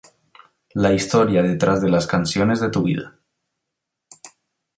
La historia detrás de las canciones de tu vida.